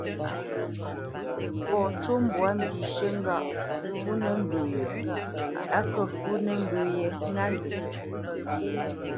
Fɔ cû mbwǎ mbishə̂ ŋgâʼ fúnə̄ mbə yo á kə́ fúnə̄ mbə yě ŋá nzə.